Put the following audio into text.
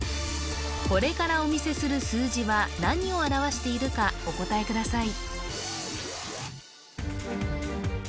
これからお見せする数字は何を表しているかお答えください